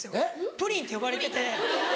プリンって呼ばれてて。